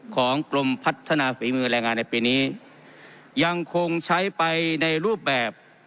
ของกรมพัฒนาฝีมือแรงงานในปีนี้ยังคงใช้ไปในรูปแบบ